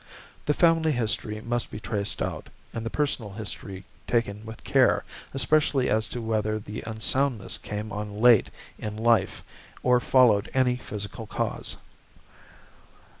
The family history must be traced out, and the personal history taken with care, especially as to whether the unsoundness came on late in life or followed any physical cause.